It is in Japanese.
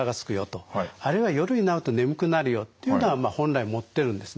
あるいは夜になると眠くなるよというのは本来持ってるんですね。